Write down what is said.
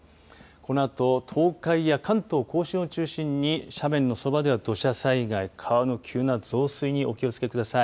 このあと東海や関東甲信を中心に斜面の側では土砂災害、川の急な増水にお気をつけください。